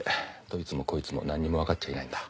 どいつもこいつも何にも分かっちゃいないんだ。